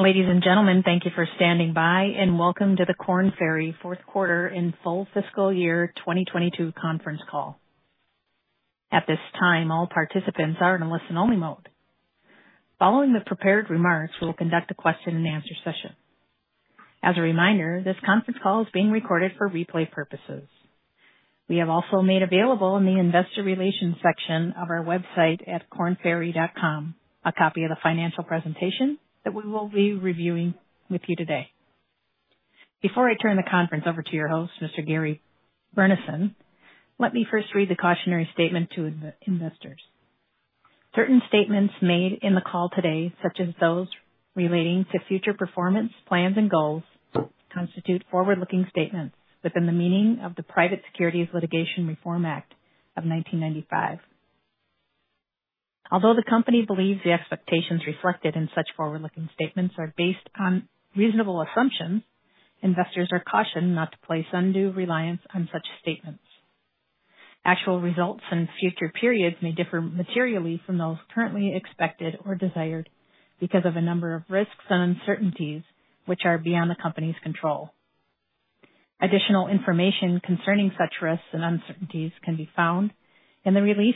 Ladies and gentlemen, thank you for standing by, and welcome to the Korn Ferry Fourth Quarter and Full Fiscal Year 2022 Conference Call. At this time, all participants are in a listen-only mode. Following the prepared remarks, we will conduct a question-and-answer session. As a reminder, this conference call is being recorded for replay purposes. We have also made available in the investor relations section of our website at kornferry.com a copy of the financial presentation that we will be reviewing with you today. Before I turn the conference over to your host, Mr. Gary Burnison, let me first read the cautionary statement to investors. Certain statements made in the call today, such as those relating to future performance, plans, and goals, constitute forward-looking statements within the meaning of the Private Securities Litigation Reform Act of 1995. Although the company believes the expectations reflected in such forward-looking statements are based on reasonable assumptions, investors are cautioned not to place undue reliance on such statements. Actual results in future periods may differ materially from those currently expected or desired because of a number of risks and uncertainties, which are beyond the company's control. Additional information concerning such risks and uncertainties can be found in the release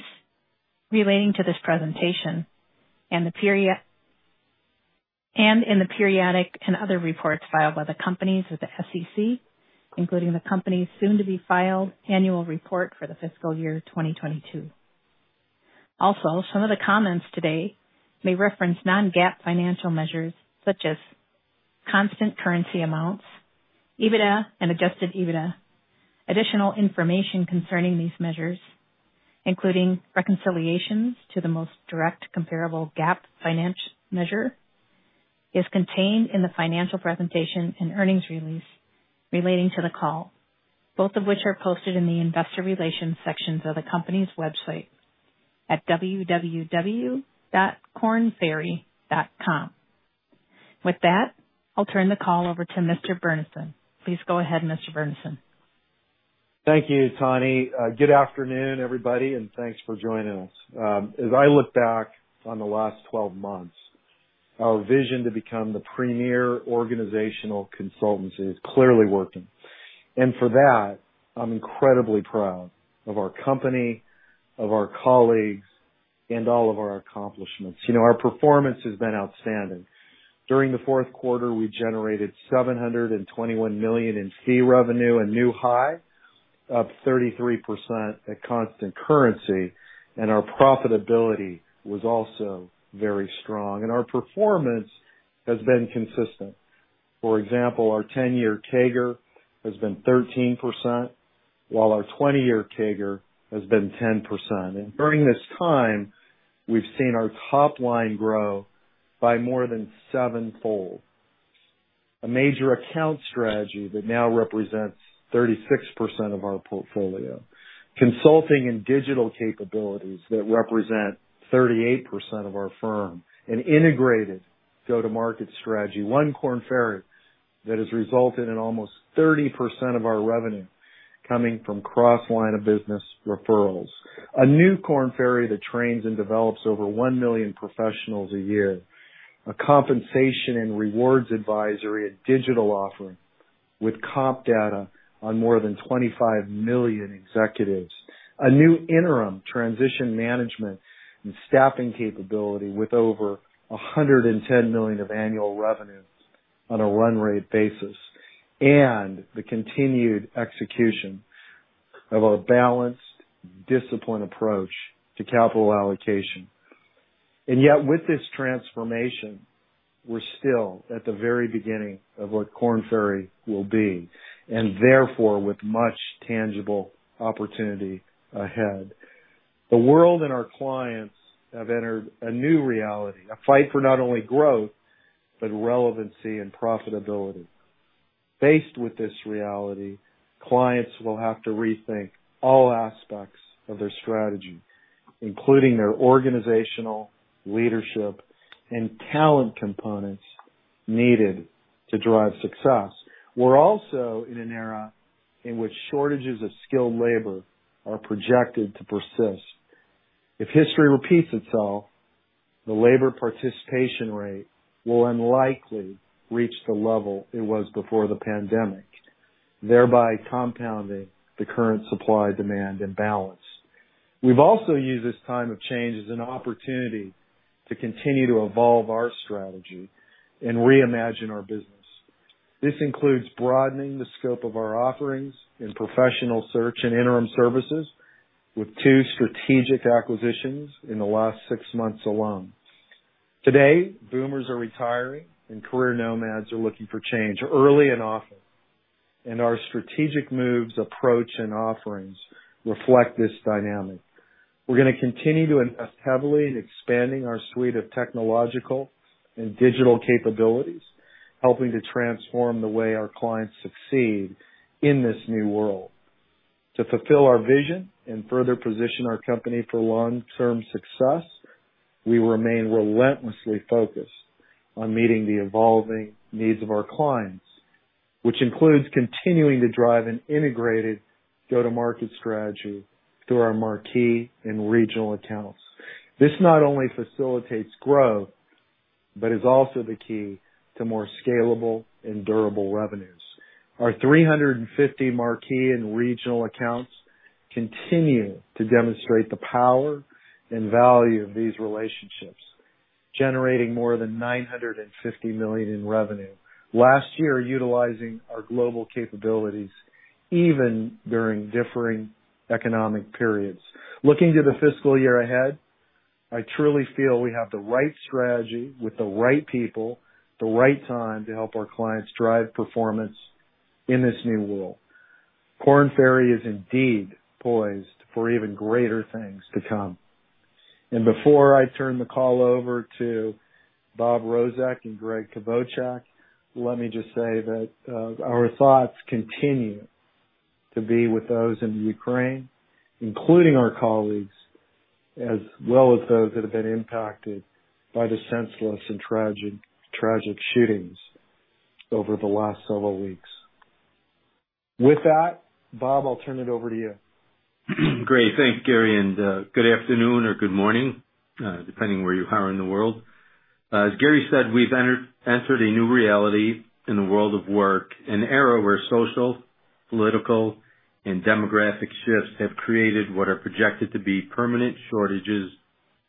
relating to this presentation and in the periodic and other reports filed by the company with the SEC, including the company's soon-to-be-filed Annual Report for the Fiscal Year 2022. Also, some of the comments today may reference non-GAAP financial measures such as constant currency amounts, EBITDA and Adjusted EBITDA. Additional information concerning these measures, including reconciliations to the most direct comparable GAAP financial measure, is contained in the financial presentation and earnings release relating to the call, both of which are posted in the investor relations sections of the company's website at www.kornferry.com. With that, I'll turn the call over to Mr. Burnison. Please go ahead, Mr. Burnison. Thank you, Tony. Good afternoon, everybody, and thanks for joining us. As I look back on the last 12 months, our vision to become the premier organizational consultancy is clearly working. For that, I'm incredibly proud of our company, of our colleagues, and all of our accomplishments. You know, our performance has been outstanding. During the fourth quarter, we generated $721 million in fee revenue, a new high, up 33% at constant currency, and our profitability was also very strong. Our performance has been consistent. For example, our 10-year CAGR has been 13%, while our 20-year CAGR has been 10%. During this time, we've seen our top line grow by more than sevenfold. A major account strategy that now represents 36% of our portfolio. Consulting and digital capabilities that represent 38% of our firm. An integrated go-to-market strategy, One Korn Ferry, that has resulted in almost 30% of our revenue coming from cross-line of business referrals. A new Korn Ferry that trains and develops over one million professionals a year. A compensation and rewards advisory, a digital offering with comp data on more than 25 million executives. A new interim transition management and staffing capability with over $110 million of annual revenues on a run rate basis. The continued execution of a balanced, disciplined approach to capital allocation. Yet with this transformation, we're still at the very beginning of what Korn Ferry will be, and therefore with much tangible opportunity ahead. The world and our clients have entered a new reality, a fight for not only growth, but relevancy and profitability. Faced with this reality, clients will have to rethink all aspects of their strategy, including their organizational, leadership, and talent components needed to drive success. We're also in an era in which shortages of skilled labor are projected to persist. If history repeats itself, the labor participation rate will unlikely reach the level it was before the pandemic, thereby compounding the current supply-demand imbalance. We've also used this time of change as an opportunity to continue to evolve our strategy and reimagine our business. This includes broadening the scope of our offerings in professional search and interim services with two strategic acquisitions in the last six months alone. Today, boomers are retiring and career nomads are looking for change early and often, and our strategic moves, approach, and offerings reflect this dynamic. We're gonna continue to invest heavily in expanding our suite of technological and digital capabilities, helping to transform the way our clients succeed in this new world. To fulfill our vision and further position our company for long-term success, we remain relentlessly focused on meeting the evolving needs of our clients, which includes continuing to drive an integrated go-to-market strategy through our marquee and regional accounts. This not only facilitates growth, but is also the key to more scalable and durable revenues. Our 350 marquee and regional accounts continue to demonstrate the power and value of these relationships, generating more than $950 million in revenue last year, utilizing our global capabilities even during differing economic periods. Looking to the fiscal year ahead, I truly feel we have the right strategy with the right people, the right time to help our clients drive performance in this new world. Korn Ferry is indeed poised for even greater things to come. Before I turn the call over to Robert Rozek and Gregg Kvochak, let me just say that our thoughts continue to be with those in the Ukraine, including our colleagues, as well as those that have been impacted by the senseless and tragic shootings over the last several weeks. With that, Bob, I'll turn it over to you. Great. Thanks, Gary, and good afternoon or good morning, depending where you are in the world. As Gary said, we've entered a new reality in the world of work, an era where social, political, and demographic shifts have created what are projected to be permanent shortages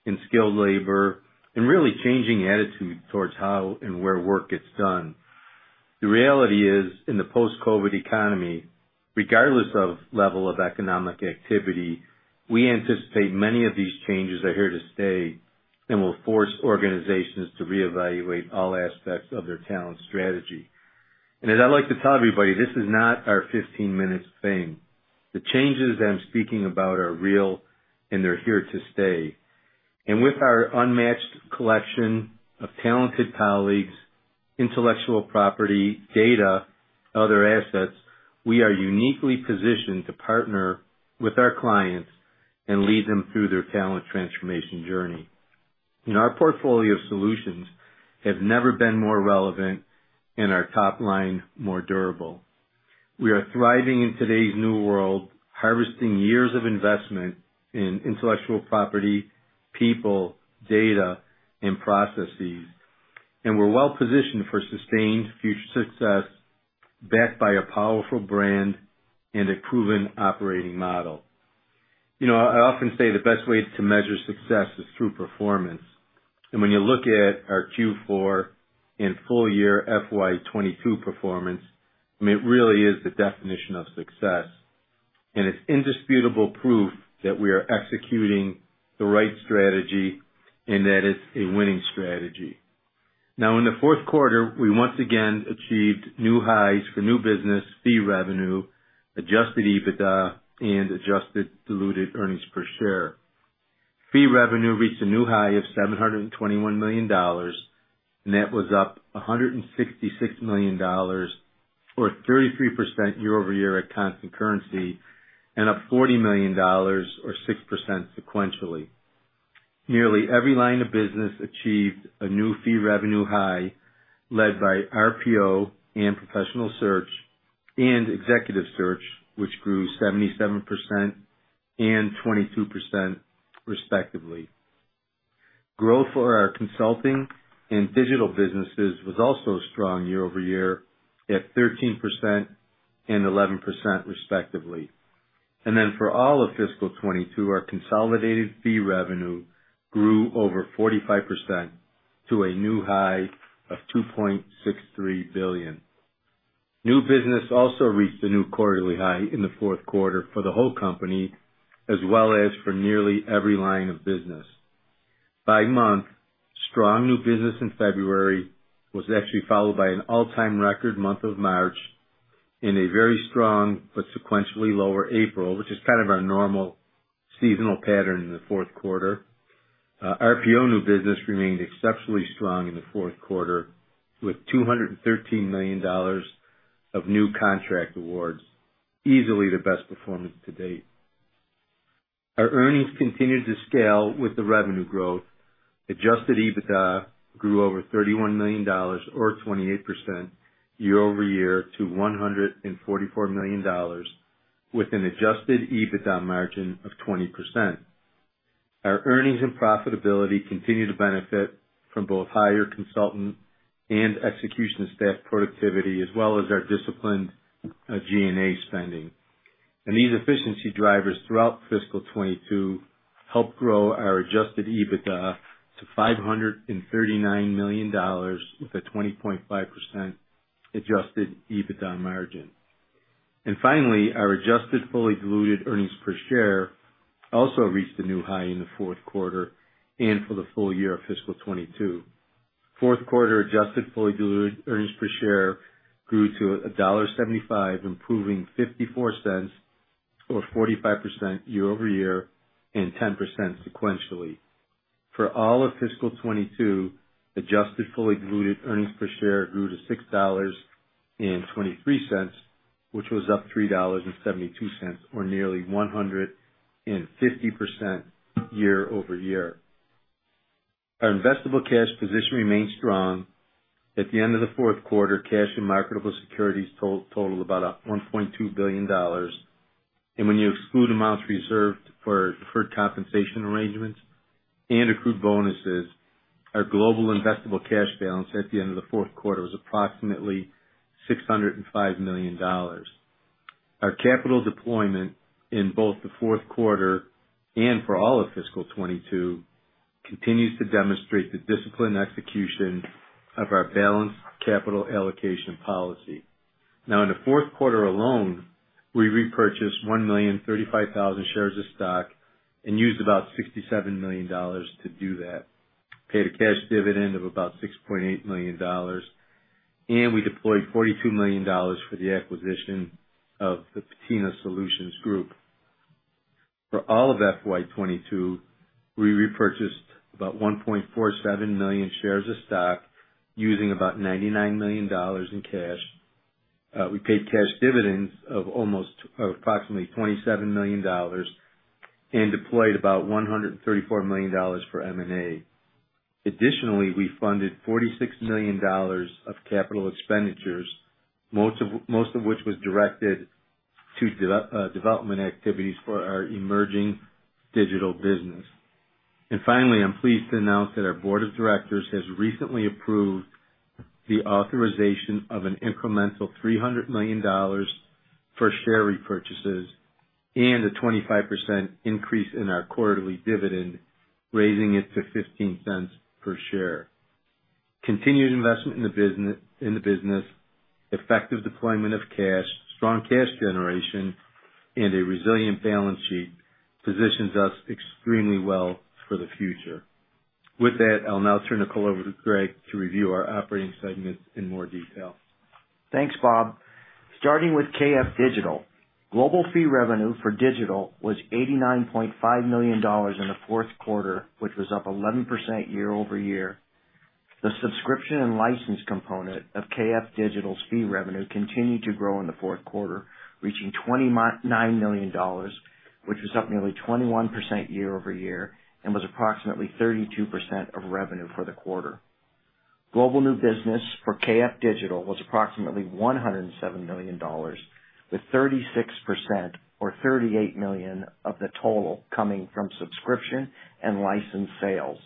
in skilled labor and really changing attitudes towards how and where work gets done. The reality is, in the post-COVID economy, regardless of level of economic activity, we anticipate many of these changes are here to stay and will force organizations to re-evaluate all aspects of their talent strategy. As I like to tell everybody, this is not our 15-minutes of fame. The changes that I'm speaking about are real, and they're here to stay. With our unmatched collection of talented colleagues, intellectual property, data, and other assets, we are uniquely positioned to partner with our clients and lead them through their talent transformation journey. You know, our portfolio of solutions have never been more relevant and our top line more durable. We are thriving in today's new world, harvesting years of investment in intellectual property, people, data, and processes. We're well positioned for sustained future success, backed by a powerful brand and a proven operating model. You know, I often say the best way to measure success is through performance. When you look at our Q4 and full-year FY 2022 performance, I mean, it really is the definition of success, and it's indisputable proof that we are executing the right strategy and that it's a winning strategy. Now in the fourth quarter, we once again achieved new highs for new business fee revenue, adjusted EBITDA, and adjusted diluted earnings per share. Fee revenue reached a new high of $721 million. Net was up $166 million, or 33% year-over-year at constant currency, and up $40 million or 6% sequentially. Nearly every line of business achieved a new fee revenue high, led by RPO and Professional Search and Executive Search, which grew 77% and 22% respectively. Growth for our Consulting and Digital businesses was also strong year-over-year at 13% and 11%, respectively. For all of FY 2022, our consolidated fee revenue grew over 45% to a new high of $2.63 billion. New business also reached a new quarterly high in the fourth quarter for the whole company, as well as for nearly every line of business. By month, strong new business in February was actually followed by an all-time record month of March and a very strong but sequentially lower April, which is kind of our normal seasonal pattern in the fourth quarter. RPO new business remained exceptionally strong in the fourth quarter, with $213 million of new contract awards, easily the best performance to date. Our earnings continued to scale with the revenue growth. Adjusted EBITDA grew over $31 million, or 28% year-over-year to $144 million with an Adjusted EBITDA margin of 20%. Our earnings and profitability continue to benefit from both higher consultant and execution staff productivity, as well as our disciplined G&A spending. These efficiency drivers throughout fiscal 2022 helped grow our Adjusted EBITDA to $539 million with a 20.5% Adjusted EBITDA margin. Finally, our adjusted fully diluted earnings per share also reached a new high in the fourth quarter and for the full year of fiscal 2022. Fourth quarter adjusted fully diluted earnings per share grew to $1.75, improving $0.54 or 45% year-over-year and 10% sequentially. For all of fiscal 2022, adjusted fully diluted earnings per share grew to $6.23, which was up $3.72, or nearly 150% year-over-year. Our investable cash position remains strong. At the end of the fourth quarter, cash and marketable securities totaled about $1.2 billion. When you exclude amounts reserved for deferred compensation arrangements and accrued bonuses, our global investable cash balance at the end of the fourth quarter was approximately $605 million. Our capital deployment in both the fourth quarter and for all of fiscal 2022 continues to demonstrate the disciplined execution of our balanced capital allocation policy. Now, in the fourth quarter alone, we repurchased 1,035,000 shares of stock and used about $67 million to do that, paid a cash dividend of about $6.8 million, and we deployed $42 million for the acquisition of the Patina Solutions Group. For all of FY 2022, we repurchased about 1.47 million shares of stock, using about $99 million in cash. We paid cash dividends of almost of approximately $27 million and deployed about $134 million for M&A. Additionally, we funded $46 million of capital expenditures, most of which was directed to development activities for our emerging Digital business. Finally, I'm pleased to announce that our board of directors has recently approved the authorization of an incremental $300 million for share repurchases and a 25% increase in our quarterly dividend, raising it to 15 cents per share. Continued investment in the business, effective deployment of cash, strong cash generation, and a resilient balance sheet positions us extremely well for the future. With that, I'll now turn the call over to Greg to review our operating segments in more detail. Thanks, Bob. Starting with KF Digital. Global fee revenue for digital was $89.5 million in the fourth quarter, which was up 11% year-over-year. The subscription and license component of KF Digital's fee revenue continued to grow in the fourth quarter, reaching $29 million, which was up nearly 21% year-over-year and was approximately 32% of revenue for the quarter. Global new business for KF Digital was approximately $107 million, with 36% or $38 million of the total coming from subscription and license sales.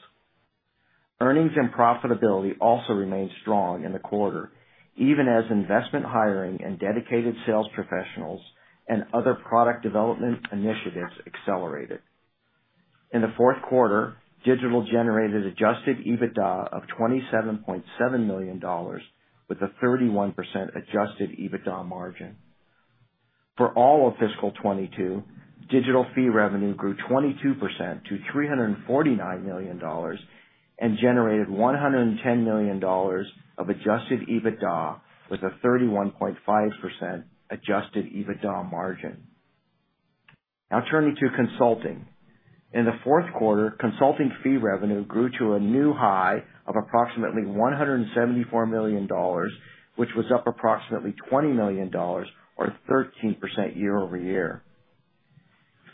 Earnings and profitability also remained strong in the quarter, even as investment hiring and dedicated sales professionals and other product development initiatives accelerated. In the fourth quarter, digital generated Adjusted EBITDA of $27.7 million, with a 31% Adjusted EBITDA margin. For all of fiscal 2022, Digital fee revenue grew 22% to $349 million and generated $110 million of Adjusted EBITDA, with a 31.5% Adjusted EBITDA margin. Now turning to Consulting. In the fourth quarter, Consulting fee revenue grew to a new high of approximately $174 million, which was up approximately $20 million or 13% year-over-year.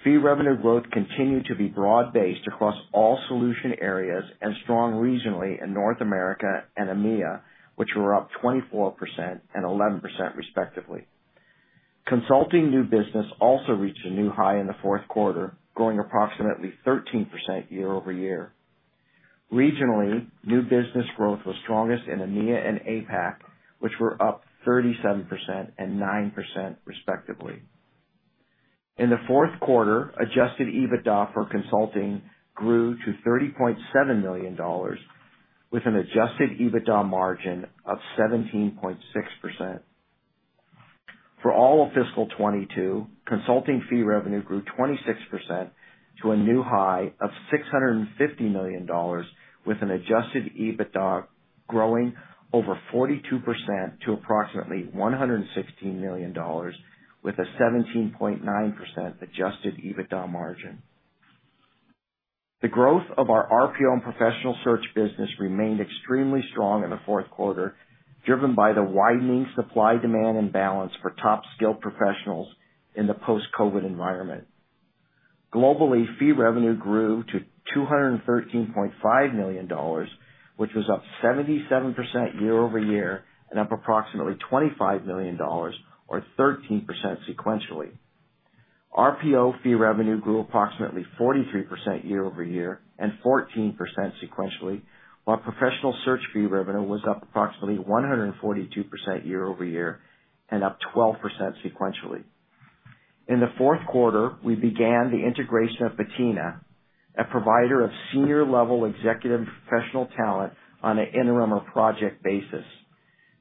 Fee revenue growth continued to be broad-based across all solution areas and strong regionally in North America and EMEA, which were up 24% and 11%, respectively. Consulting new business also reached a new high in the fourth quarter, growing approximately 13% year-over-year. Regionally, new business growth was strongest in EMEA and APAC, which were up 37% and 9%, respectively. In the fourth quarter, Adjusted EBITDA for consulting grew to $30.7 million, with an Adjusted EBITDA margin of 17.6%. For all of fiscal 2022, consulting fee revenue grew 26% to a new high of $650 million, with an Adjusted EBITDA growing over 42% to approximately $116 million with a 17.9% Adjusted EBITDA margin. The growth of our RPO and professional search business remained extremely strong in the fourth quarter, driven by the widening supply-demand imbalance for top skilled professionals in the post-COVID environment. Globally, fee revenue grew to $213.5 million, which was up 77% year-over-year and up approximately $25 million or 13% sequentially. RPO fee revenue grew approximately 43% year-over-year and 14% sequentially, while Professional Search fee revenue was up approximately 142% year-over-year and up 12% sequentially. In the fourth quarter, we began the integration of Patina, a provider of senior-level executive professional talent on an interim or project basis.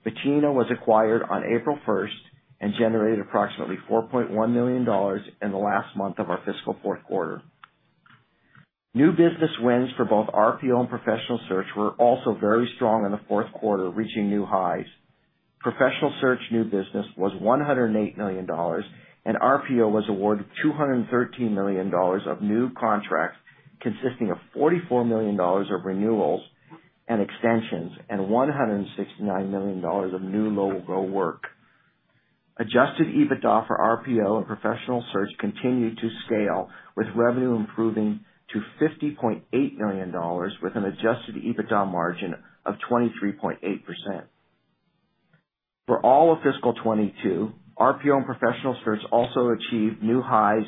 Patina was acquired on April 1st and generated approximately $4.1 million in the last month of our fiscal fourth quarter. New business wins for both RPO and Professional Search were also very strong in the fourth quarter, reaching new highs. Professional Search new business was $108 million, and RPO was awarded $213 million of new contracts, consisting of $44 million of renewals and extensions and $169 million of new logo work. Adjusted EBITDA for RPO and Professional Search continued to scale, with revenue improving to $50.8 million with an Adjusted EBITDA margin of 23.8%. For all of FY '22, RPO and Professional Search also achieved new highs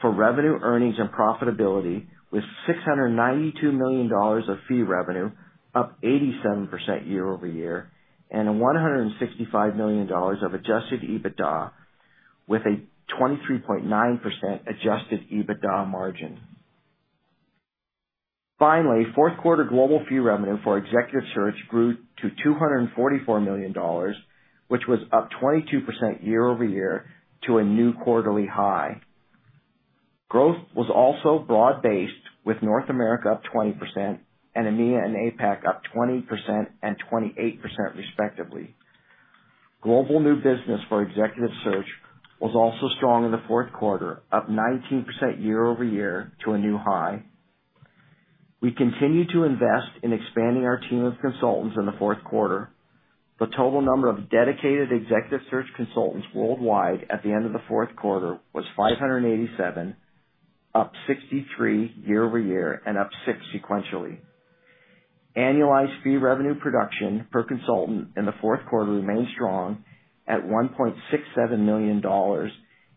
for revenue earnings and profitability, with $692 million of fee revenue, up 87% year-over-year, and $165 million of Adjusted EBITDA, with a 23.9% Adjusted EBITDA margin. Finally, fourth quarter global fee revenue for Executive Search grew to $244 million, which was up 22% year-over-year to a new quarterly high. Growth was also broad-based, with North America up 20% and EMEA and APAC up 20% and 28% respectively. Global new business for Executive Search was also strong in the fourth quarter, up 19% year-over-year to a new high. We continued to invest in expanding our team of consultants in the fourth quarter. The total number of dedicated Executive Search consultants worldwide at the end of the fourth quarter was 587, up 63 year-over-year and up six sequentially. Annualized fee revenue production per consultant in the fourth quarter remained strong at $1.67 million,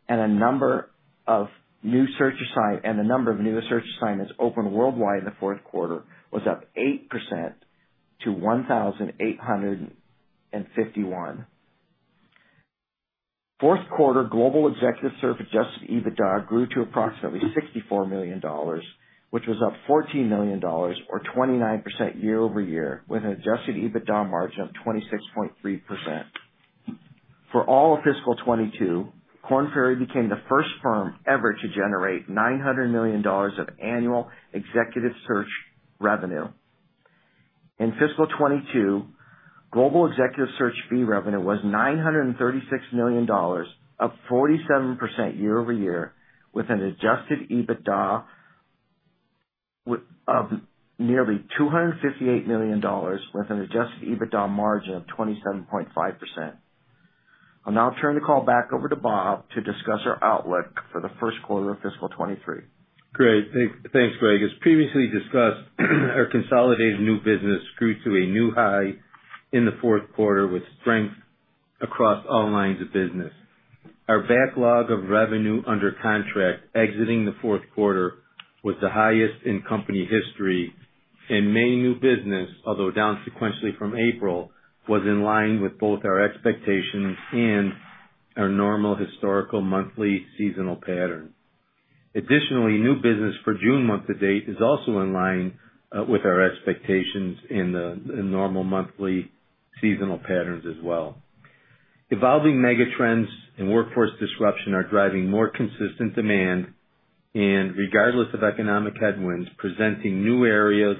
and a number of new search assignments opened worldwide in the fourth quarter was up 8% to 1,851. Fourth quarter global Executive Search adjusted EBITDA grew to approximately $64 million, which was up $14 million or 29% year-over-year, with an adjusted EBITDA margin of 26.3%. For all of fiscal 2022, Korn Ferry became the first firm ever to generate $900 million of annual Executive Search revenue. In fiscal 2022, Global Executive Search fee revenue was $936 million, up 47% year-over-year, with an Adjusted EBITDA nearly $258 million with an Adjusted EBITDA margin of 27.5%. I'll now turn the call back over to Bob to discuss our outlook for the first quarter of fiscal 2023. Great. Thanks, Greg. As previously discussed, our consolidated new business grew to a new high in the fourth quarter with strength across all lines of business. Our backlog of revenue under contract exiting the fourth quarter was the highest in company history, and may new business, although down sequentially from April, was in line with both our expectations and our normal historical monthly seasonal pattern. Additionally, new business for June month to date is also in line with our expectations in the normal monthly seasonal patterns as well. Evolving megatrends and workforce disruption are driving more consistent demand, and regardless of economic headwinds, presenting new areas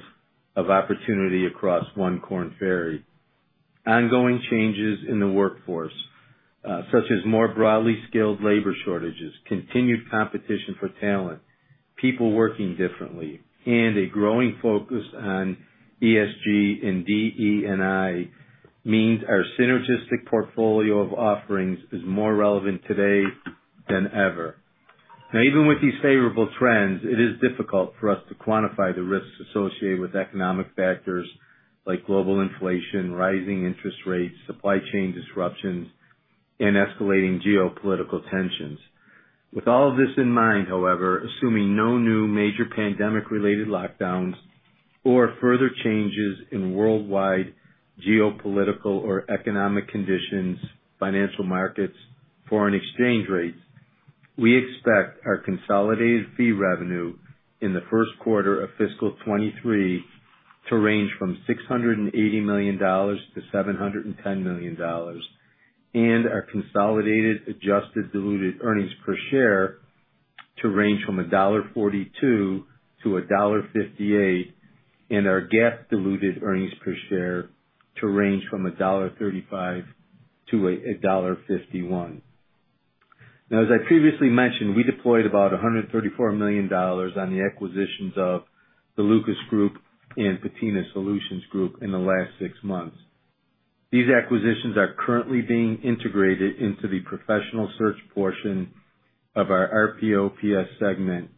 of opportunity across One Korn Ferry. Ongoing changes in the workforce, such as more broadly skilled labor shortages, continued competition for talent, people working differently, and a growing focus on ESG and DE&I means our synergistic portfolio of offerings is more relevant today than ever. Now even with these favorable trends, it is difficult for us to quantify the risks associated with economic factors like global inflation, rising interest rates, supply chain disruptions, and escalating geopolitical tensions. With all this in mind, however, assuming no new major pandemic-related lockdowns or further changes in worldwide geopolitical or economic conditions, financial markets, foreign exchange rates, we expect our consolidated fee revenue in the first quarter of fiscal 2023 to range from $680 million-$710 million. Our consolidated adjusted diluted earnings per share to range from $1.42-$1.58, and our GAAP diluted earnings per share to range from $1.35-$1.51. Now as I previously mentioned, we deployed about $134 million on the acquisitions of the Lucas Group and Patina Solutions Group in the last six months. These acquisitions are currently being integrated into the Professional Search portion of our RPO PS segment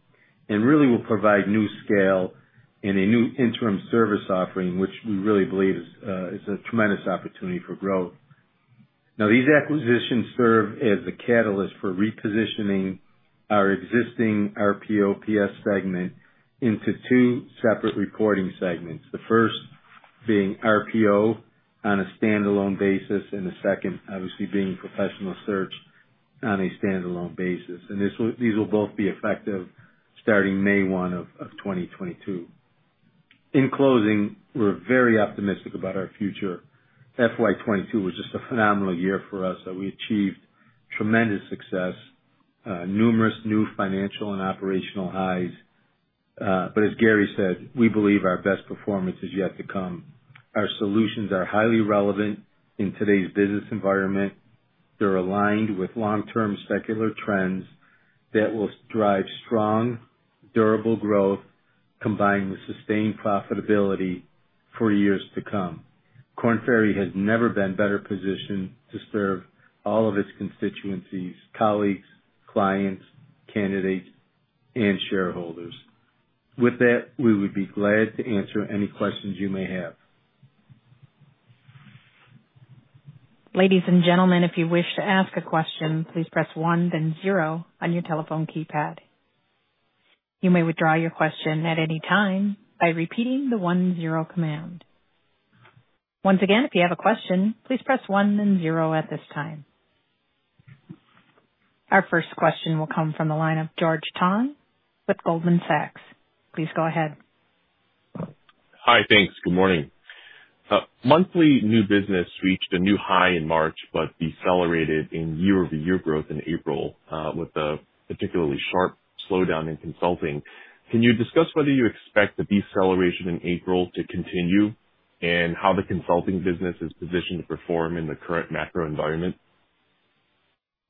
and really will provide new scale and a new interim service offering, which we really believe is a tremendous opportunity for growth. Now, these acquisitions serve as the catalyst for repositioning our existing RPO PS segment into two separate reporting segments. The first being RPO on a standalone basis and the second obviously being Professional Search on a standalone basis. These will both be effective starting May 1, 2022. In closing, we're very optimistic about our future. FY 2022 was just a phenomenal year for us, and we achieved tremendous success, numerous new financial and operational highs. But as Gary said, we believe our best performance is yet to come. Our solutions are highly relevant in today's business environment. They're aligned with long-term secular trends that will drive strong, durable growth combined with sustained profitability for years to come. Korn Ferry has never been better positioned to serve all of its constituencies, colleagues, clients, candidates, and shareholders. With that, we would be glad to answer any questions you may have. Ladies and gentlemen, if you wish to ask a question, please press one then zero on your telephone keypad. You may withdraw your question at any time by repeating the one-zero command. Once again, if you have a question, please press one then zero at this time. Our first question will come from the line of George Tong with Goldman Sachs. Please go ahead. Hi. Thanks. Good morning. Monthly new business reached a new high in March, but decelerated in year-over-year growth in April, with a particularly sharp slowdown in Consulting. Can you discuss whether you expect the deceleration in April to continue, and how the Consulting business is positioned to perform in the current macro environment?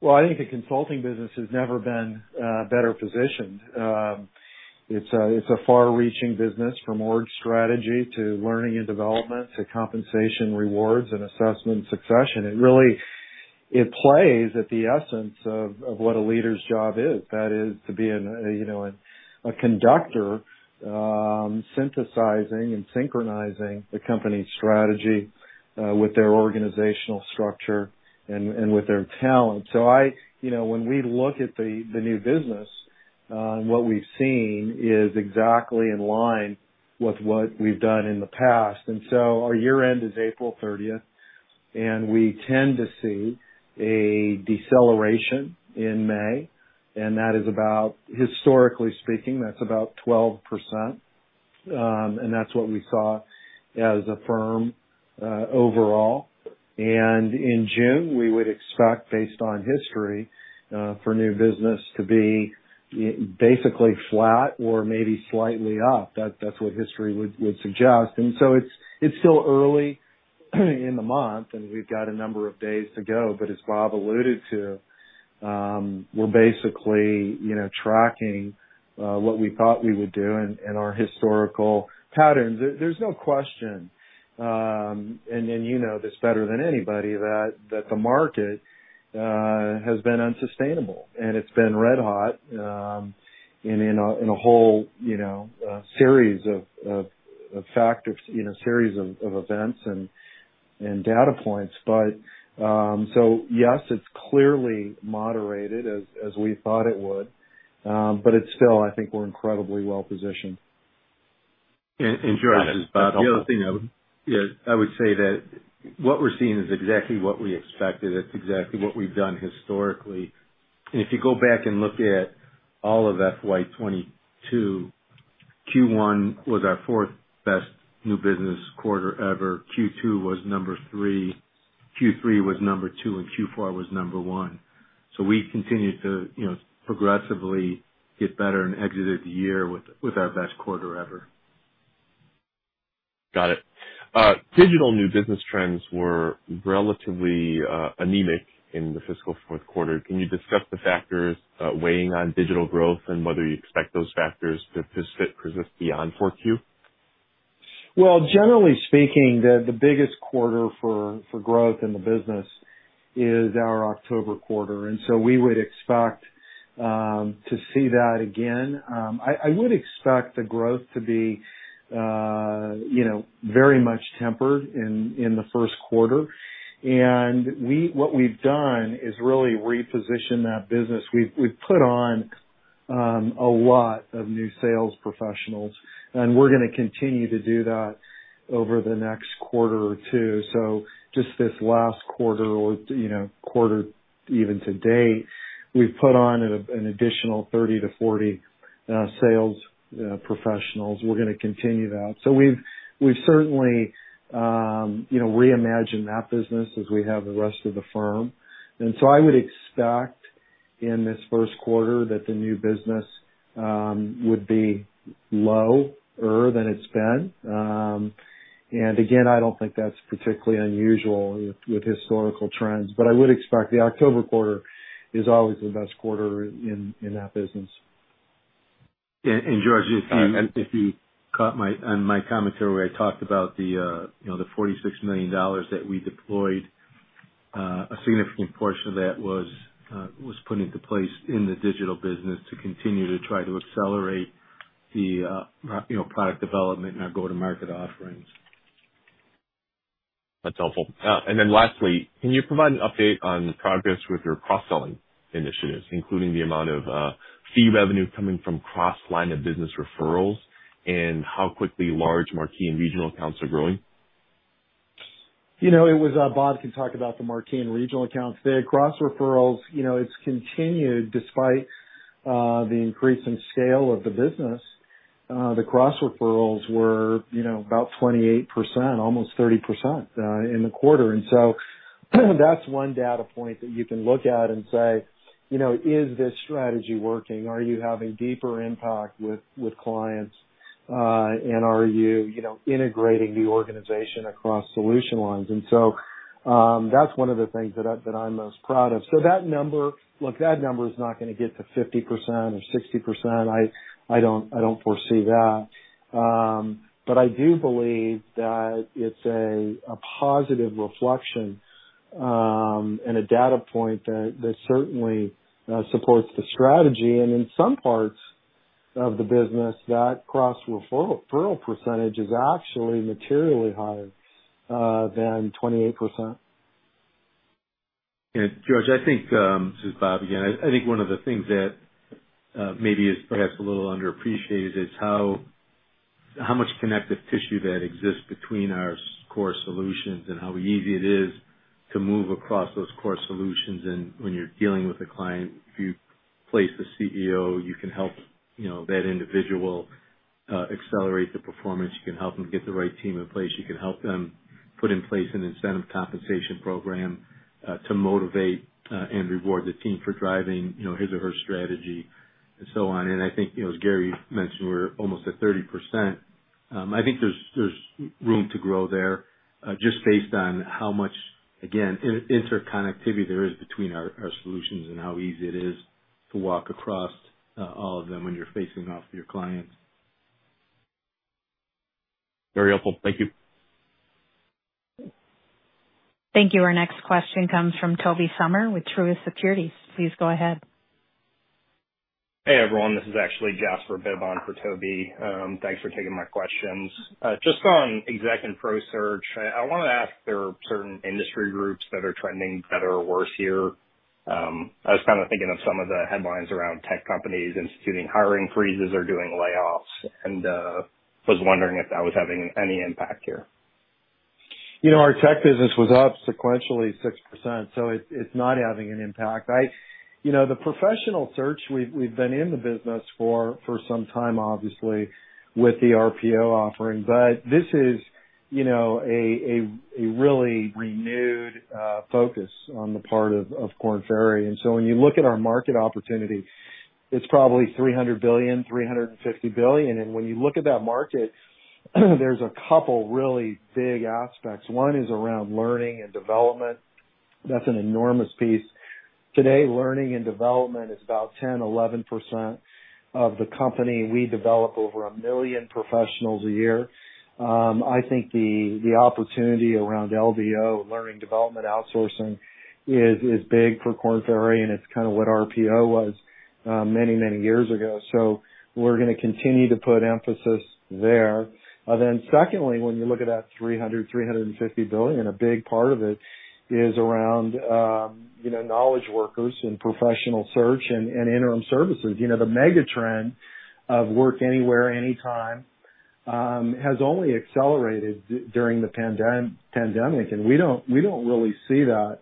Well, I think the consulting business has never been better positioned. It's a far-reaching business from org strategy to learning and development to compensation, rewards and assessment succession. It plays at the essence of what a leader's job is. That is to be a you know conductor synthesizing and synchronizing the company's strategy with their organizational structure and with their talent. I you know when we look at the new business and what we've seen is exactly in line with what we've done in the past. Our year-end is April 30th, and we tend to see a deceleration in May, and that is about, historically speaking, that's about 12%. That's what we saw as a firm overall. In June, we would expect based on history for new business to be basically flat or maybe slightly up. That's what history would suggest. It's still early in the month, and we've got a number of days to go. As Bob alluded to, we're basically, you know, tracking what we thought we would do and our historical patterns. There's no question, and you know this better than anybody, that the market has been unsustainable, and it's been red hot in a whole, you know, series of factors, you know, series of events and data points. Yes, it's clearly moderated as we thought it would. It's still, I think we're incredibly well-positioned. George, the other thing I would say that what we're seeing is exactly what we expected. It's exactly what we've done historically. If you go back and look at all of FY 2022, Q1 was our fourth best new business quarter ever. Q2 was number three, Q3 was number two, and Q4 was number one. We continued to, you know, progressively get better and exited the year with our best quarter ever. Got it. Digital new business trends were relatively anemic in the fiscal fourth quarter. Can you discuss the factors weighing on Digital growth and whether you expect those factors to persist beyond 4Q? Well, generally speaking, the biggest quarter for growth in the business is our October quarter, and so we would expect to see that again. I would expect the growth to be you know very much tempered in the first quarter. What we've done is really reposition that business. We've put on a lot of new sales professionals, and we're gonna continue to do that over the next quarter or two. Just this last quarter or you know quarter even to date, we've put on an additional 30-40 sales professionals. We're gonna continue that. We've certainly you know reimagined that business as we have the rest of the firm. I would expect in this first quarter that the new business would be lower than it's been. Again, I don't think that's particularly unusual with historical trends, but I would expect the October quarter is always the best quarter in that business. George, if you caught my commentary where I talked about the $46 million that we deployed, a significant portion of that was put into place in the Digital business to continue to try to accelerate the product development and our go-to-market offerings. That's helpful. Lastly, can you provide an update on progress with your cross-selling initiatives, including the amount of fee revenue coming from cross line of business referrals and how quickly large marquee and regional accounts are growing? You know, it was, Bob can talk about the marquee and regional accounts. The cross referrals, you know, it's continued despite the increase in scale of the business. The cross referrals were, you know, about 28%, almost 30%, in the quarter. That's one data point that you can look at and say, you know, "Is this strategy working? Are you having deeper impact with clients? And are you know, integrating the organization across solution lines?" That's one of the things that I'm most proud of. That number. Look, that number is not gonna get to 50% or 60%. I don't foresee that. I do believe that it's a positive reflection, and a data point that certainly supports the strategy. In some parts of the business, that cross-referral percentage is actually materially higher than 28%. Yeah. George, I think... This is Bob again. I think one of the things that maybe is perhaps a little underappreciated is how much connective tissue that exists between our core solutions and how easy it is to move across those core solutions. When you're dealing with a client, if you place a CEO, you can help, you know, that individual accelerate the performance. You can help them get the right team in place. You can help them put in place an incentive compensation program to motivate and reward the team for driving, you know, his or her strategy and so on. I think, you know, as Gary mentioned, we're almost at 30%. I think there's room to grow there, just based on how much, again, interconnectivity there is between our solutions and how easy it is to walk across all of them when you're facing off with your clients. Very helpful. Thank you. Thank you. Our next question comes from Tobey Sommer with Truist Securities. Please go ahead. Hey, everyone. This is actually Jasper Bibb for Tobey. Thanks for taking my questions. Just on exec and pro search, I wanted to ask if there are certain industry groups that are trending better or worse here. I was kinda thinking of some of the headlines around tech companies instituting hiring freezes or doing layoffs, and was wondering if that was having any impact here. You know, our tech business was up sequentially 6%, so it's not having an impact. You know, the professional search, we've been in the business for some time, obviously, with the RPO offering. This is, you know, a really renewed focus on the part of Korn Ferry. When you look at our market opportunity, it's probably $300 billion-$350 billion. When you look at that market, there's a couple really big aspects. One is around learning and development. That's an enormous piece. Today, learning and development is about 10%-11% of the company. We develop over one million professionals a year. I think the opportunity around LDO, learning development outsourcing, is big for Korn Ferry, and it's kinda what RPO was many years ago. We're gonna continue to put emphasis there. Secondly, when you look at that $300-$350 billion, a big part of it is around knowledge workers and Professional Search and interim services. The mega trend of work anywhere, anytime, has only accelerated during the pandemic, and we don't really see that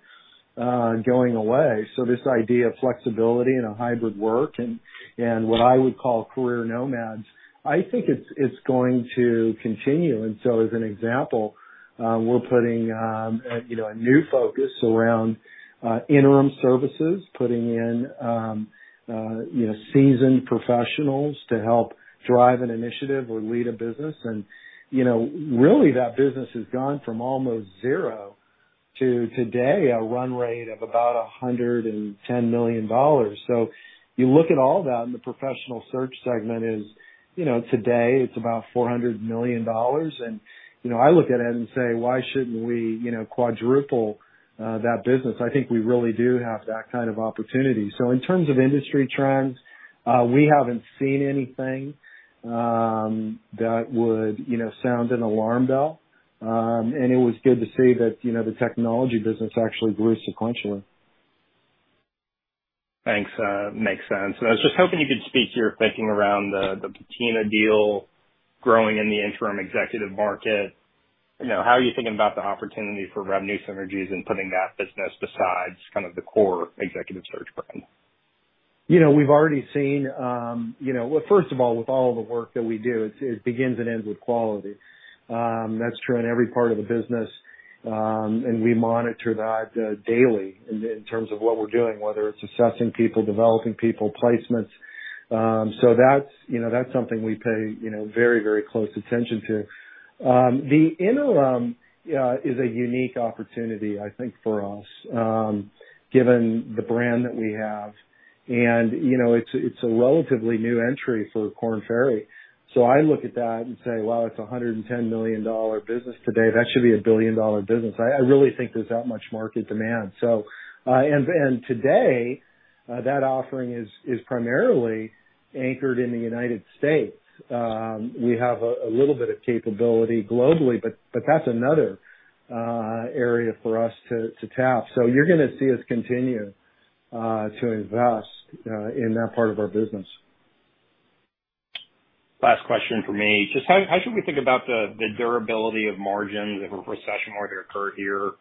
going away. This idea of flexibility and a hybrid work and what I would call career nomads, I think it's going to continue. As an example, we're putting a new focus around interim services, putting in seasoned professionals to help drive an initiative or lead a business. You know, really, that business has gone from almost zero to today, a run rate of about $110 million. You look at all that, and the Professional Search segment is, you know, today it's about $400 million. You know, I look at it and say, why shouldn't we, you know, quadruple that business? I think we really do have that kind of opportunity. In terms of industry trends, we haven't seen anything that would, you know, sound an alarm bell. And it was good to see that, you know, the technology business actually grew sequentially. Thanks. Makes sense. I was just hoping you could speak to your thinking around the Patina deal growing in the interim executive market. You know, how are you thinking about the opportunity for revenue synergies in putting that business beside kind of the core Executive Search brand? You know, we've already seen, you know. Well, first of all, with all the work that we do, it begins and ends with quality. That's true in every part of the business, and we monitor that daily in terms of what we're doing, whether it's assessing people, developing people, placements. So that's something we pay very close attention to. The interim is a unique opportunity, I think, for us, given the brand that we have. You know, it's a relatively new entry for Korn Ferry. I look at that and say. Wow, it's a $110 million business today. That should be a billion-dollar business. I really think there's that much market demand. Today, that offering is primarily anchored in the United States. We have a little bit of capability globally, but that's another area for us to tap. You're gonna see us continue to invest in that part of our business. Last question from me. Just how should we think about the durability of margins if a recession were to occur here?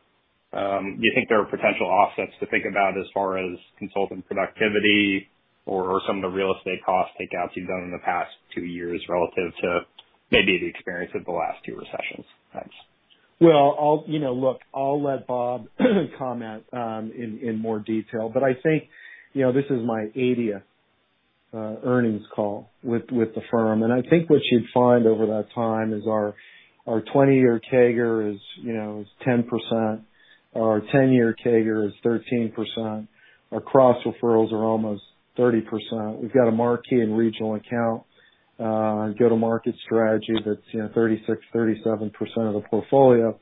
Do you think there are potential offsets to think about as far as consultant productivity or some of the real estate cost takeouts you've done in the past two years relative to maybe the experience of the last two recessions? Thanks. Well, you know, look, I'll let Bob comment in more detail, but I think, you know, this is my 80th earnings call with the firm. I think what you'd find over that time is our 20-year CAGR is 10%. Our 10-year CAGR is 13%. Our cross referrals are almost 30%. We've got a marquee and regional account go-to-market strategy that's 36%-37% of the portfolio.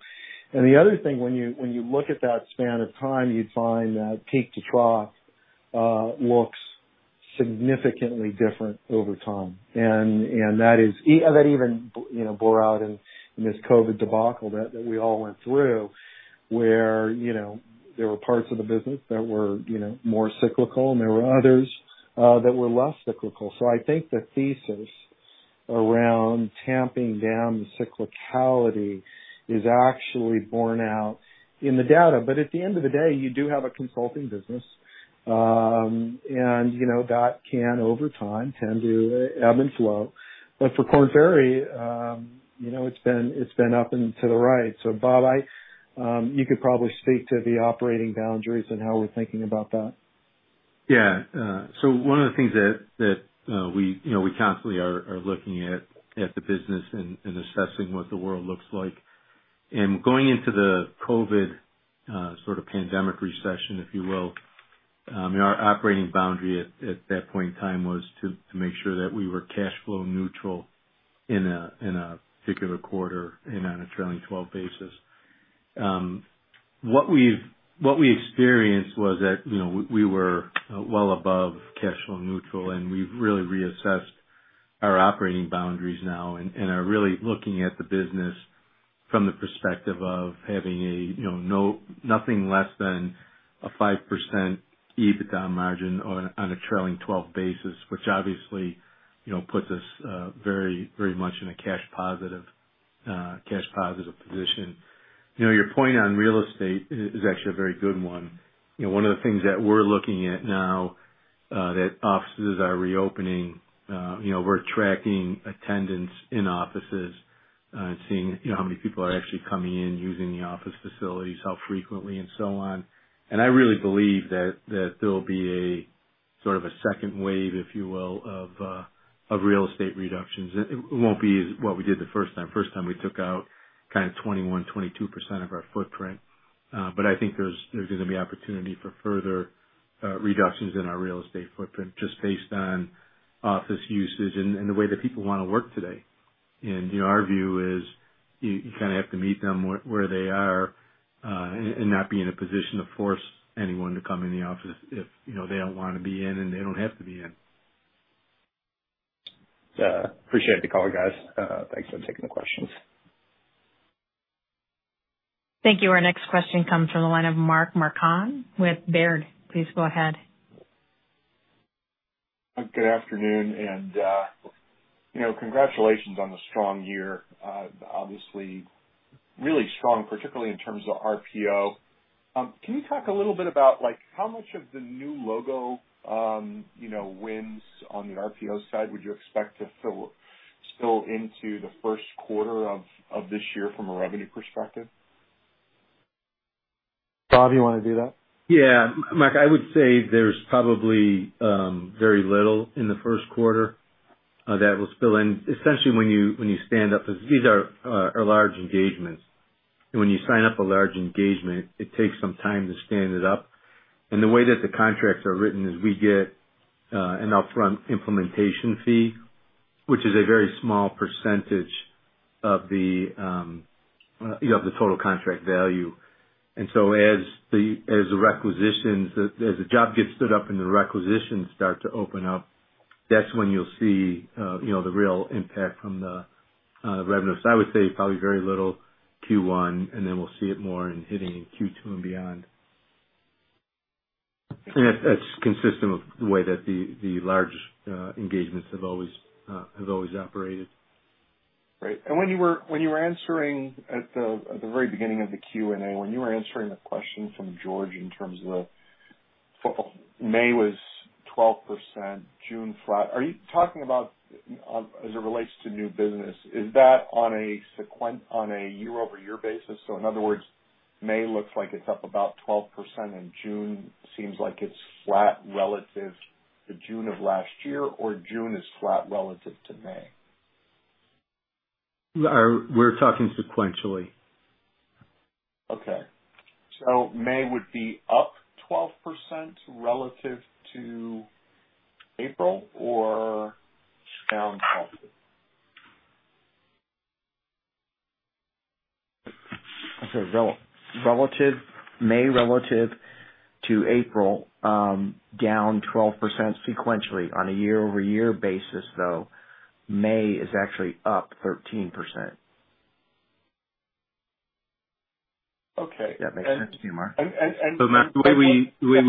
The other thing, when you look at that span of time, you'd find that peak to trough looks significantly different over time. That even you know, bore out in this COVID debacle that we all went through, where you know, there were parts of the business that were you know, more cyclical, and there were others that were less cyclical. I think the thesis around tamping down the cyclicality is actually borne out in the data. At the end of the day, you do have a consulting business. You know, that can over time tend to ebb and flow. For Korn Ferry, it's been up and to the right. Bob, you could probably speak to the operating boundaries and how we're thinking about that. Yeah. One of the things that we, you know, we constantly are looking at the business and assessing what the world looks like. Going into the COVID sort of pandemic recession, if you will, our operating boundary at that point in time was to make sure that we were cash flow neutral in a particular quarter and on a trailing-twelve basis. What we experienced was that, you know, we were well above cash flow neutral, and we've really reassessed our operating boundaries now and are really looking at the business from the perspective of having a, you know, nothing less than a 5% EBITDA margin on a trailing-twelve basis, which obviously, you know, puts us very much in a cash positive position. You know, your point on real estate is actually a very good one. You know, one of the things that we're looking at now, that offices are reopening, you know, we're tracking attendance in offices, seeing, you know, how many people are actually coming in, using the office facilities, how frequently and so on. I really believe that there'll be a sort of a second wave, if you will, of real estate reductions. It won't be as what we did the first time. First time we took out kind of 21%-22% of our footprint. But I think there's gonna be opportunity for further reductions in our real estate footprint just based on office usage and the way that people wanna work today. You know, our view is you kinda have to meet them where they are, and not be in a position to force anyone to come in the office if, you know, they don't wanna be in, and they don't have to be in. Appreciate the call, guys. Thanks for taking the questions. Thank you. Our next question comes from the line of Mark Marcon with Baird. Please go ahead. Good afternoon, you know, congratulations on the strong year. Obviously really strong, particularly in terms of RPO. Can you talk a little bit about like how much of the new logo, you know, wins on the RPO side would you expect to fill, spill into the first quarter of this year from a revenue perspective? Bob, you wanna do that? Yeah. Mark, I would say there's probably very little in the first quarter that will spill in. Essentially when you stand up, 'cause these are large engagements. When you sign up a large engagement, it takes some time to stand it up. The way that the contracts are written is we get an upfront implementation fee, which is a very small percentage of the total contract value. As the requisitions, as the job gets stood up and the requisitions start to open up, that's when you'll see you know the real impact from the revenue. I would say probably very little Q1, and then we'll see it more in hitting in Q2 and beyond. That's consistent with the way that the large engagements have always operated. Right. When you were answering at the very beginning of the Q&A, when you were answering the question from George in terms of the May was 12%, June flat. Are you talking about on, as it relates to new business, is that on a year-over-year basis? So in other words, May looks like it's up about 12%, and June seems like it's flat relative to June of last year, or June is flat relative to May? We're talking sequentially. Okay. May would be up 12% relative to April or down 12%? Relative, May relative to April, down 12% sequentially. On a year-over-year basis, though, May is actually up 13%. Okay. If that makes sense to you, Mark. And, and- Mark, the way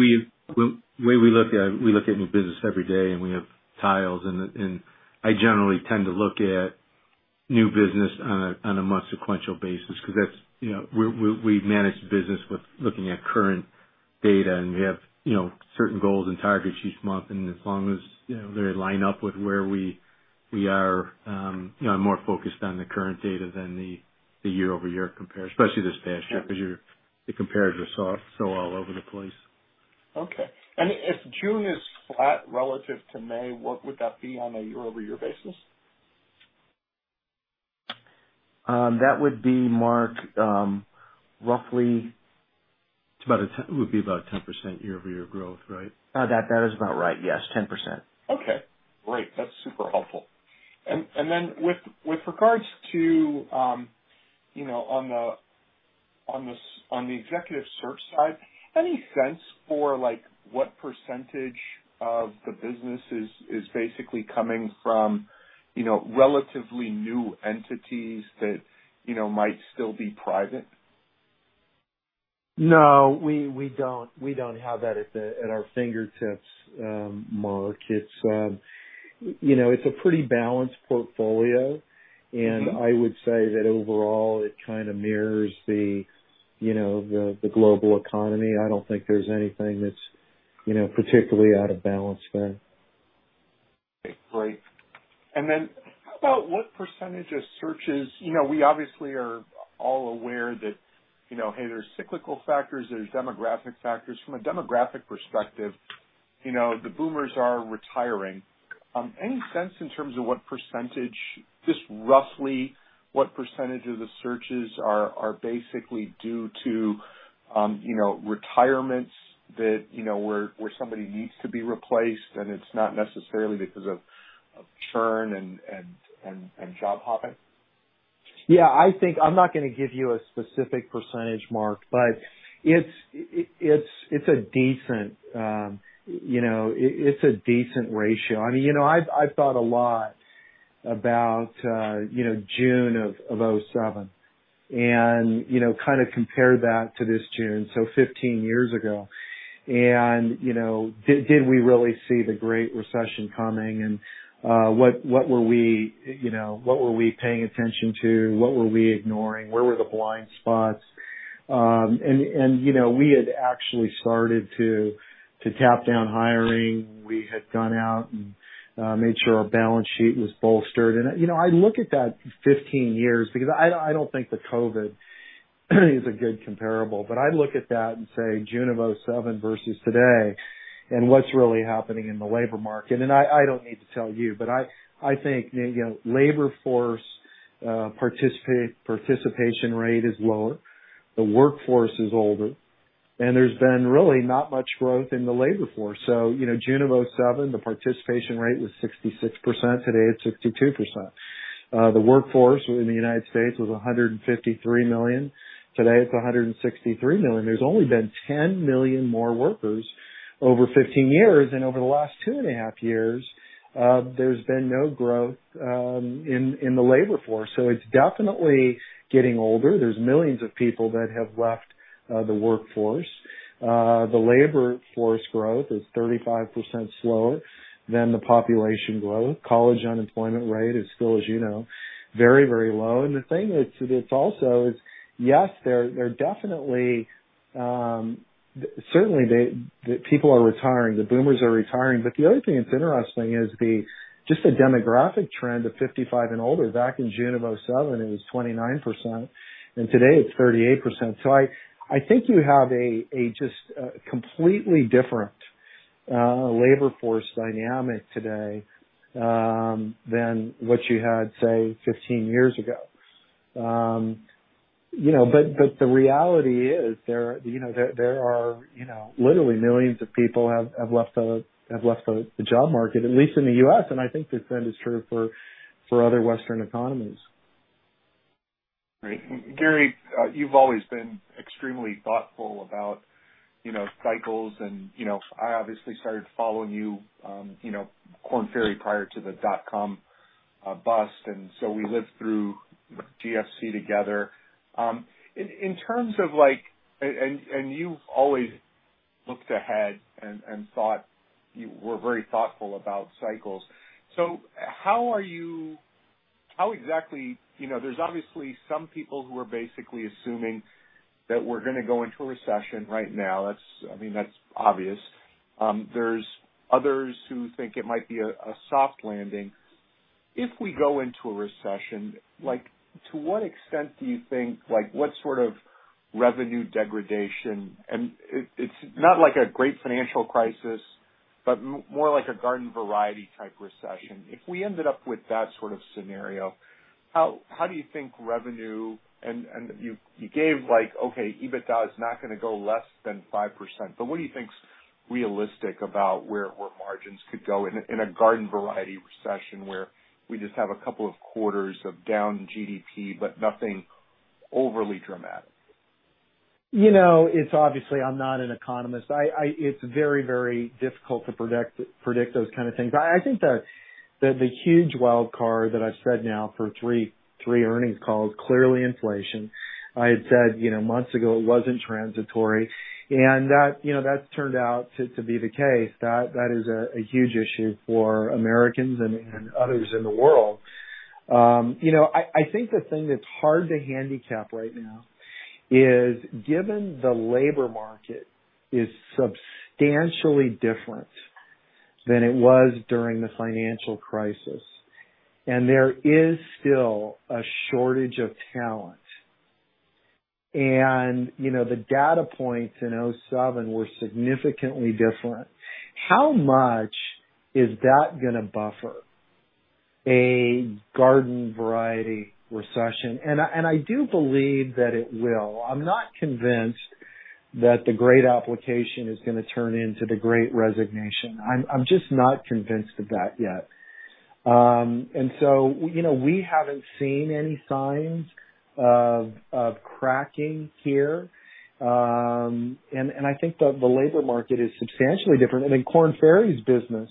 we look at new business every day, and we have tiles, and I generally tend to look at new business on a month sequential basis, 'cause that's, you know, we manage the business with looking at current data, and we have, you know, certain goals and targets each month. As long as, you know, they line up with where we, we are, you know, more focused on the current data than the year-over-year compare, especially this past year. Yeah. 'Cause the compares are so all over the place. Okay. If June is flat relative to May, what would that be on a year-over-year basis? That would be, Mark, roughly. It would be about 10% year-over-year growth, right? That is about right. Yes, 10%. Okay, great. That's super helpful. Then with regards to, you know, on the executive search side, any sense for, like, what percentage of the business is basically coming from, you know, relatively new entities that, you know, might still be private? No, we don't have that at our fingertips, Mark. It's, you know, it's a pretty balanced portfolio. Mm-hmm. I would say that overall, it kind of mirrors the, you know, the global economy. I don't think there's anything that's, you know, particularly out of balance there. Okay. Great. How about what percentage of searches? You know, we obviously are all aware that, you know, hey, there's cyclical factors, there's demographic factors. From a demographic perspective, you know, the boomers are retiring. Any sense in terms of what percentage, just roughly what percentage of the searches are basically due to, you know, retirements that, you know, where somebody needs to be replaced and it's not necessarily because of churn and job hopping? Yeah, I think I'm not gonna give you a specific percentage, Mark, but it's a decent ratio. I mean, you know, I've thought a lot about, you know, June of 2007 and, you know, kind of compare that to this June. So 15 years ago. You know, did we really see the Great Recession coming? And what were we, you know, what were we paying attention to? What were we ignoring? Where were the blind spots? And you know, we had actually started to taper down hiring. We had gone out and made sure our balance sheet was bolstered. You know, I look at that 15 years because I don't think that COVID is a good comparable. I look at that and say June of 2007 versus today and what's really happening in the labor market. I don't need to tell you, but I think, you know, labor force participation rate is lower, the workforce is older, and there's been really not much growth in the labor force. You know, June of 2007, the participation rate was 66%. Today, it's 62%. The workforce in the United States was 153 million. Today, it's 163 million. There's only been 10 million more workers over 15 years. Over the last two and a half years, there's been no growth in the labor force. It's definitely getting older. There's millions of people that have left the workforce. The labor force growth is 35% slower than the population growth. College unemployment rate is still, as you know, very, very low. The thing that it is also is yes, there definitely certainly the people are retiring, the boomers are retiring. The other thing that's interesting is just the demographic trend of 55 and older. Back in June 2007, it was 29%, and today it's 38%. I think you have a just completely different labor force dynamic today than what you had, say, 15 years ago. You know, but the reality is there, you know, there are, you know, literally millions of people have left the job market, at least in the U.S. I think the trend is true for other Western economies. Great. Gary, you've always been extremely thoughtful about, you know, cycles and, you know, I obviously started following you know, Korn Ferry prior to the dot-com bust, and so we lived through GFC together. In terms of like, you've always looked ahead and thought. You were very thoughtful about cycles. How exactly. You know, there's obviously some people who are basically assuming that we're gonna go into a recession right now. That's. I mean, that's obvious. There's others who think it might be a soft landing. If we go into a recession, like, to what extent do you think, like, what sort of revenue degradation. It's not like a great financial crisis, but more like a garden variety type recession. If we ended up with that sort of scenario, how do you think revenue? You gave, like, okay, EBITDA is not gonna go less than 5%. What do you think is realistic about where margins could go in a garden variety recession where we just have a couple of quarters of down GDP, but nothing overly dramatic? You know, it's obvious I'm not an economist. It's very difficult to predict those kind of things. I think the huge wildcard that I've said now for three earnings calls, clearly inflation. I had said, you know, months ago it wasn't transitory. That, you know, that's turned out to be the case. That is a huge issue for Americans and others in the world. You know, I think the thing that's hard to handicap right now is given the labor market is substantially different than it was during the financial crisis, and there is still a shortage of talent. You know, the data points in 2007 were significantly different. How much is that gonna buffer a garden variety recession? I do believe that it will. I'm not convinced that the Great Attrition is gonna turn into the Great Resignation. I'm just not convinced of that yet. You know, we haven't seen any signs of cracking here. I think the labor market is substantially different. Korn Ferry's business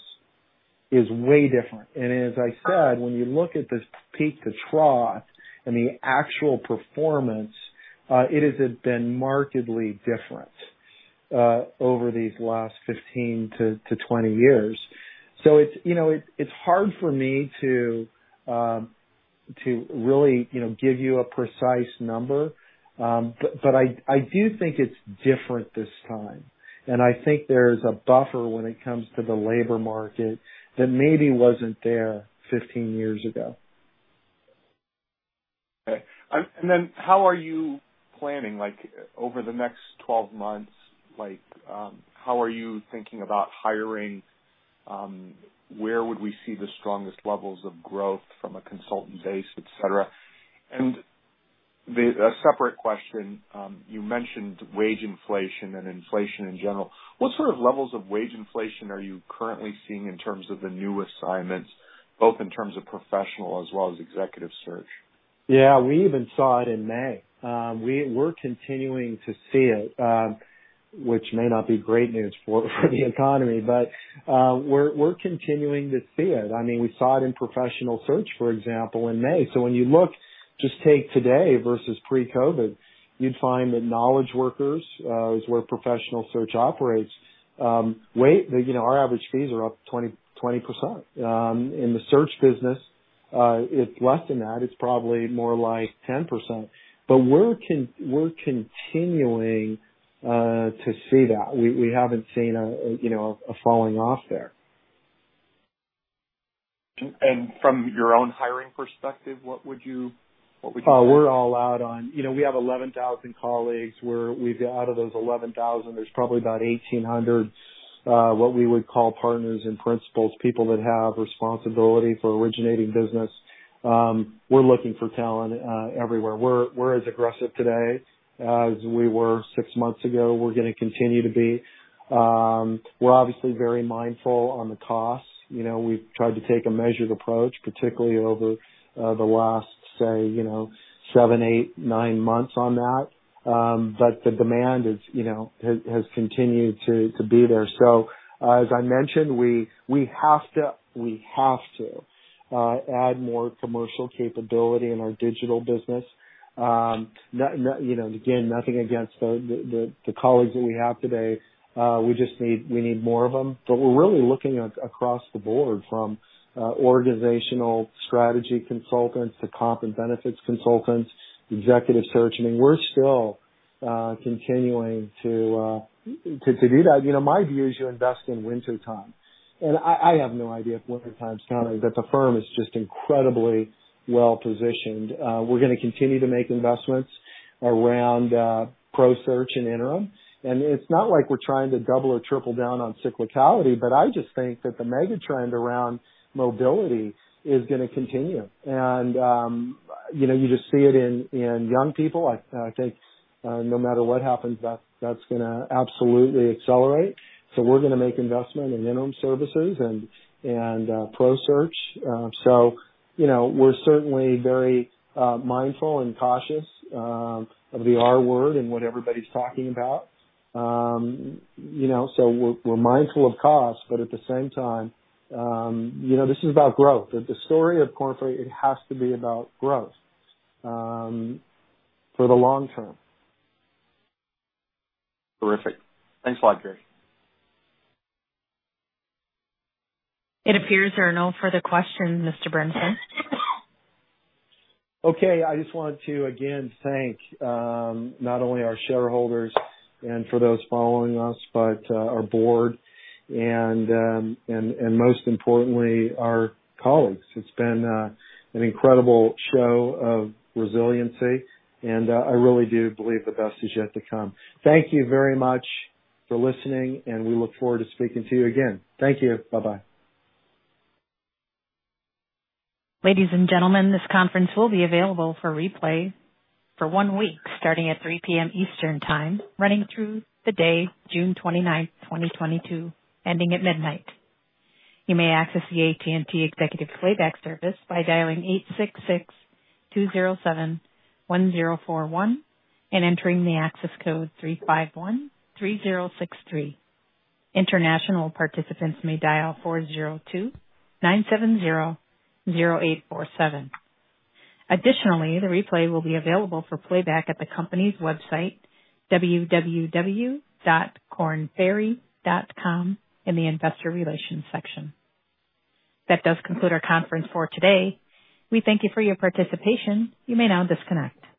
is way different. As I said, when you look at this peak to trough and the actual performance, it has been markedly different over these last 15 to 20 years. It's you know hard for me to really you know give you a precise number. I do think it's different this time, and I think there's a buffer when it comes to the labor market that maybe wasn't there 15 years ago. Okay. How are you planning, like, over the next 12 months, like, how are you thinking about hiring? Where would we see the strongest levels of growth from a consultant base, et cetera? A separate question. You mentioned wage inflation and inflation in general. What sort of levels of wage inflation are you currently seeing in terms of the new assignments, both in terms of professional as well as executive search? Yeah, we even saw it in May. We're continuing to see it, which may not be great news for the economy, but we're continuing to see it. I mean, we saw it in Professional Search, for example, in May. When you look, just take today versus pre-COVID, you'd find that knowledge workers is where Professional Search operates. You know, our average fees are up 20%. In the search business, it's less than that. It's probably more like 10%. We're continuing to see that. We haven't seen, you know, a falling off there. From your own hiring perspective, what would you say? You know, we have 11,000 colleagues. Out of those 11,000, there's probably about 1,800 what we would call partners and principals, people that have responsibility for originating business. We're looking for talent everywhere. We're as aggressive today as we were six months ago. We're gonna continue to be. We're obviously very mindful on the costs. You know, we've tried to take a measured approach, particularly over the last, say, you know, seven, eight, nine months on that. The demand, you know, has continued to be there. As I mentioned, we have to add more commercial capability in our Digital business. You know, and again, nothing against the colleagues that we have today. We just need more of them. We're really looking across the board from organizational strategy consultants to comp and benefits consultants, Executive Search. I mean, we're still continuing to do that. You know, my view is you invest in wintertime. I have no idea if wintertime's coming, but the firm is just incredibly well-positioned. We're gonna continue to make investments around Professional Search and interim. It's not like we're trying to double or triple down on cyclicality, but I just think that the mega trend around mobility is gonna continue. You know, you just see it in young people. I think no matter what happens, that's gonna absolutely accelerate. We're gonna make investment in interim services and Professional Search. You know, we're certainly very mindful and cautious of the R word and what everybody's talking about. You know, we're mindful of cost, but at the same time, you know, this is about growth. The story of Korn Ferry, it has to be about growth for the long term. Terrific. Thanks a lot, Gary. It appears there are no further questions, Mr. Burnison. Okay. I just wanted to again thank not only our shareholders and for those following us, but our board and most importantly, our colleagues. It's been an incredible show of resiliency, and I really do believe the best is yet to come. Thank you very much for listening, and we look forward to speaking to you again. Thank you. Bye-bye. Ladies and gentlemen, this conference will be available for replay for one week, starting at 3:00 P.M. Eastern Time, running through the day, June 29th, 2022, ending at midnight. You may access the AT&T Executive Playback Service by dialing 866-207-1041 and entering the access code 351-3063. International participants may dial 402-970-0847. Additionally, the replay will be available for playback at the company's website, www.kornferry.com, in the investor relations section. That does conclude our conference for today. We thank you for your participation. You may now disconnect.